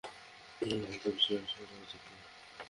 কাউকেই বিশ্বাস করা উচিৎ না।